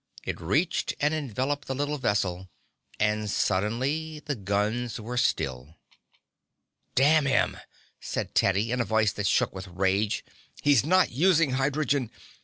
It reached and enveloped the little vessel, and suddenly the guns were still. "Damn him!" said Teddy in a voice that shook with rage. "He's not using hydrogen.